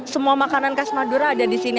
semua makanan khas madura ada di sini